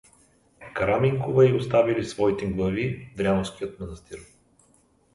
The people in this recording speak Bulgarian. Караминкова и оставили своите глави в Дряновския манастир.